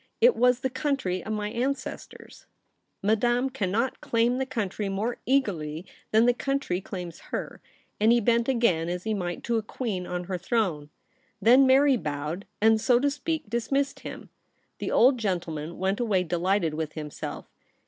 It was the country of my ancestors.' ' Madame cannot claim the country more eagerly than the country claims her,' and he bent again as he might to a queen on her throne. Then Mary bowed, and, so to speak, dismissed him. The old gentleman went away delighted with himself.